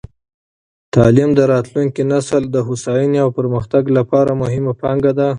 تعلیم د راتلونکې نسل د هوساینې او پرمختګ لپاره مهمه پانګه ده.